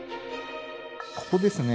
ここですね。